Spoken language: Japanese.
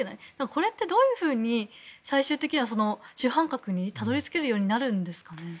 これってどういうふうに最終的には主犯格にたどり着けるようになるんですかね？